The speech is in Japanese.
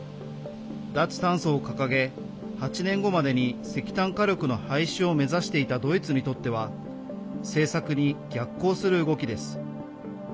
脱炭素を掲げ、８年後までに石炭火力の廃止を目指していたドイツにとっては政策に逆行する動きです。